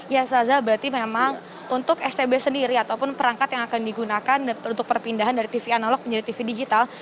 ya saza berarti memang untuk stb sendiri ataupun perangkat yang akan digunakan untuk perpindahan dari tv analog menjadi tv digital